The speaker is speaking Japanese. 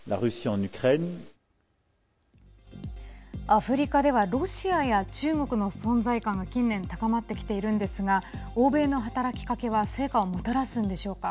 アフリカではロシアや中国の存在感が近年、高まってきているんですが欧米の働きかけは成果をもたらすんでしょうか。